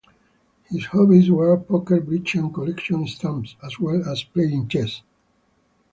His hobbies were poker, bridge and collecting stamps as well as playing chess.